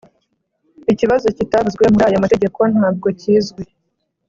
Ikibazo kitavuzwe muri aya mategeko ntabwo kizwi